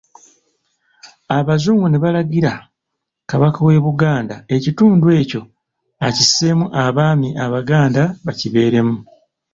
Abazungu ne balagira, Kabaka w'e Buganda ekitundu ekyo akisseemu abaami Abaganda bakibeeremu.